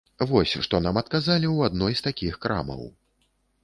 Вось што нам адказалі ў адной з такіх крамаў.